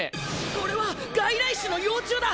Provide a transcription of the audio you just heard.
これは外来種の幼虫だ。